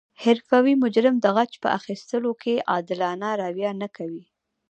حرفوي مجرم د غچ په اخستلو کې عادلانه رویه نه کوي